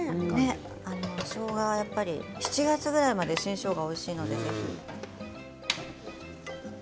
しょうがは、やっぱり７月ぐらいまでは新しょうががおいしいのでぜひ。